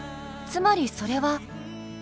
つまりそれは。